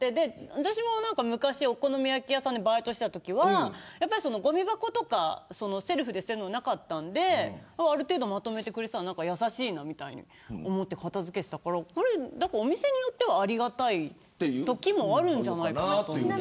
私も昔、お好み焼き屋さんでバイトしてたときはごみ箱とか、セルフで捨てる所がなかったのである程度まとめてくれていたら優しいなみたいに思って片付けしていたからこれ、お店によってはありがたいときもあるんじゃないかなと思うんですけど。